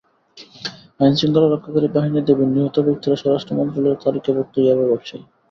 আইনশৃঙ্খলা রক্ষাকারী বাহিনীর দাবি, নিহত ব্যক্তিরা স্বরাষ্ট্র মন্ত্রণালয়ের তালিকাভুক্ত ইয়াবা ব্যবসায়ী।